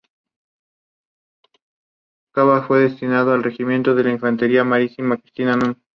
Cabello tuvo menos suerte y cayó en manos de los patriotas.